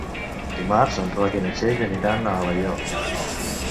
Dimarts en Roc i na Txell aniran a Alaior.